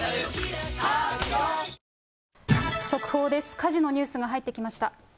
火事のニュースが入ってきました。